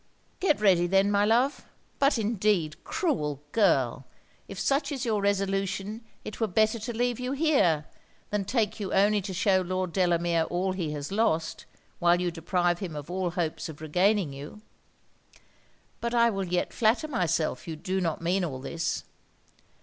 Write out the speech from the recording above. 'Get ready then, my love. But indeed, cruel girl, if such is your resolution it were better to leave you here, than take you only to shew Lord Delamere all he has lost, while you deprive him of all hopes of regaining you. But I will yet flatter myself you do not mean all this.